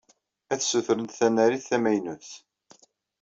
Ad ssutrent tanarit tamaynut.